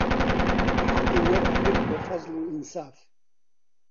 حەقی وەرئەگرت بە فەزڵ و ئینساف